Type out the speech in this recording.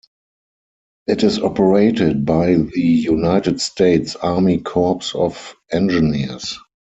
It is operated by the United States Army Corps of Engineers.